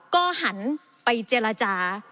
ก็หันไปเจรจา